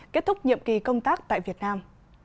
kết thúc nhiệm kỳ công tác tại việt nam